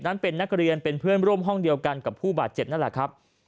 นั้นเป็นนักเรียนเป็นเพื่อนร่วมห้องเดียวกันกับผู้บาดเจ็บนั่นแหละครับ